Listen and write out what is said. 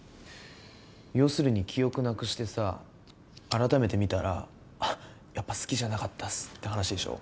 要するに記憶なくしてさ改めて見たらあやっぱ好きじゃなかったっすって話でしょ。